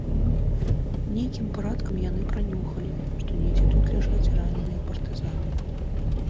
Нейкім парадкам яны пранюхалі, што недзе тут ляжаць раненыя партызаны.